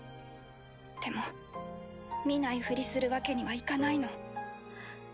でも見ないふりするわけにはいかないの。